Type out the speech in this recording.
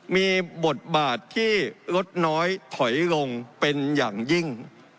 มีบทบาทที่ลดน้อยถอยลงเป็นอย่างยิ่ง